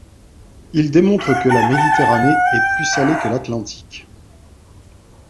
Il démontre que la Méditerranée est plus salée que l'Atlantique.